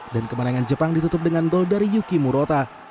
dan kemenangan jepang ditutup dengan gol dari yuki murota